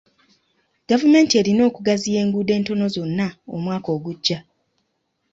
Gavumenti erina okugaziya enguudo entono zonna omwaka ogujja.